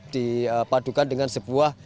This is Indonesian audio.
dipadukan dengan sebuah